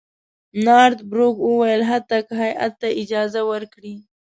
نارت بروک وویل حتی که هیات ته اجازه ورکړي.